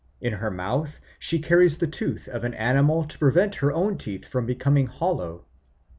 In her mouth she carries the tooth of an animal to prevent her own teeth from becoming hollow.